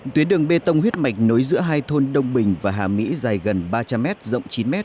tuyến đường bê tông huyết mạch nối giữa hai thôn đông bình và hà mỹ dài gần ba trăm linh m rộng chín m